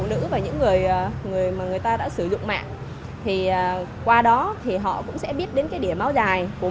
nữ và những người mà người ta đã sử dụng mạng thì qua đó thì họ cũng sẽ biết đến cái đĩa máu dài của